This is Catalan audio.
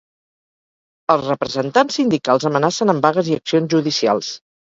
Els representants sindicals amenacen amb vagues i accions judicials.